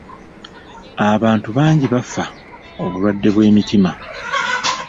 Abantu bangi bafa obulwadde bw'emitima.